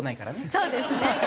そうですね。